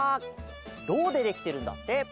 どうでできてるんだって。